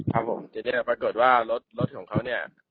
ครับผมเห็นเดี๋ยวก็ปรากฏว่ารถของเขาเนี่ย